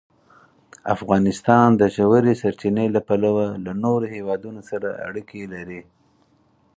افغانستان د ژورې سرچینې له پلوه له نورو هېوادونو سره اړیکې لري.